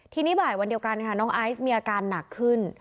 ทีนี้บ่ายวันเดียวกันค่ะน้องไอซ์มีอาการหนักขึ้น